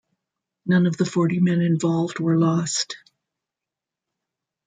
None of the forty men involved were lost.